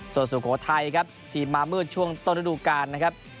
ส่วนสุโขทัยครับทีมมามืดช่วงต้นฤดูการนะครับ